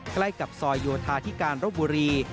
ใกล้กับซอยโยธาธิการรบบุรี